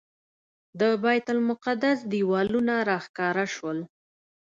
د بیت المقدس دیوالونه راښکاره شول.